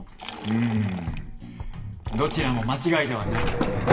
うんどちらも間違いではないんです。